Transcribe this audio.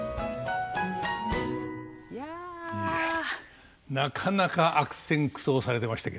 いやなかなか悪戦苦闘されてましたけども。